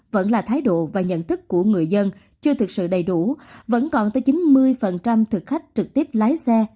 vẫn là thái độ và nhận thức của người dân chưa thực sự đầy đủ vẫn còn tới chín mươi thực khách trực tiếp lái xe